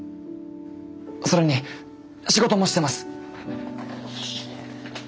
それに仕事もしてます！